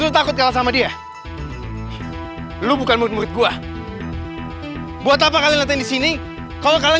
takut kalah sama dia lu bukan murid murid gue buat apa kalian latihan di sini kalau kalian